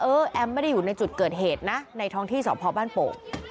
แอมไม่ได้อยู่ในจุดเกิดเหตุนะในท้องที่สพบ้านโป่ง